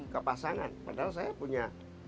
ke pasangan padahal saya punya